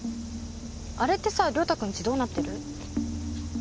あれってさ亮太君家どうなってる？